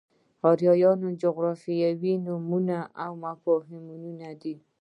آریانا جغرافیایي نومونه او مفهومونه دي.